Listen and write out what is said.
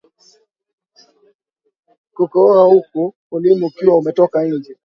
Kukohoa huku ulimi ukiwa umetoka nje